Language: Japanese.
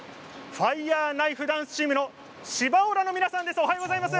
ファイヤーナイフダンスチームのシバオラの皆さんです。